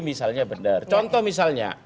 misalnya benar contoh misalnya